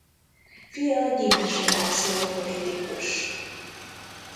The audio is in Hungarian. Fia Gyimesi László politikus.